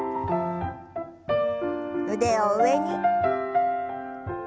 腕を上に。